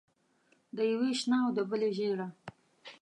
د یوې شنه او د بلې ژېړه.